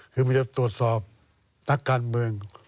คือมันจะตรวจสอบนักการเมือง